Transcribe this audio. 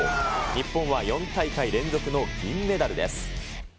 日本は４大会連続の銀メダルです。